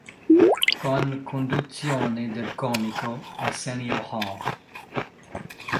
Con conduzione del comico Arsenio Hall.